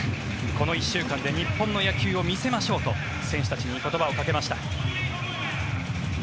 この１週間で日本の野球を見せましょうと選手たちに言葉をかけました。